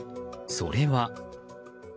それは。